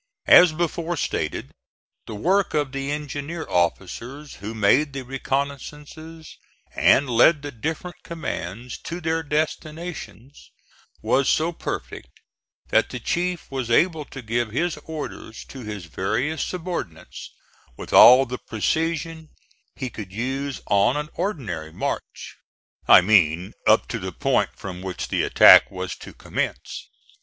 As before stated, the work of the engineer officers who made the reconnoissances and led the different commands to their destinations, was so perfect that the chief was able to give his orders to his various subordinates with all the precision he could use on an ordinary march. I mean, up to the points from which the attack was to commence.